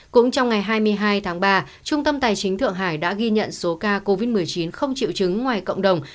cũng trong ngày hai mươi hai tháng ba trung tâm tài chính thượng hải đã ghi nhận số ca covid một mươi chín không chịu chứng ngoài cộng đồng